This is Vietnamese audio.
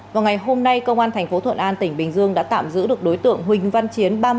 vào ngày hôm nay công an thành phố thuận an tỉnh bình dương đã tạm giữ được đối tượng huỳnh văn chiến